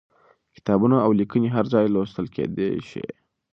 کتابونه او ليکنې هر ځای لوستل کېدای شي.